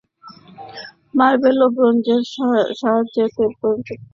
Marble ও ব্রোঞ্জের সাহায্যে তৈরীকৃত ঐ সকল কাজগুলোয় তার পরিপক্কতা ও কৌশলের অপূর্ব সন্নিবেশ ঘটে।